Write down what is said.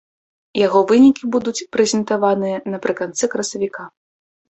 Яго вынікі будуць прэзентаваныя напрыканцы красавіка.